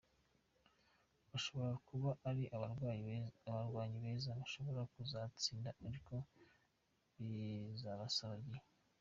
Bashobora kuba ari abarwanyi beza, bashobora kuzatsinda ariko bizabasaba igihe.